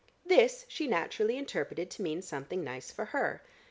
This she naturally interpreted to mean something nice for her.